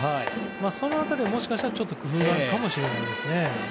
その辺り、もしかしたら工夫があるかもしれないですね。